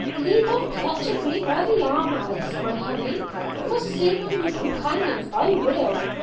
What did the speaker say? "Leave off clutching me by the arm, Alice, my honey, for see my new companions I will.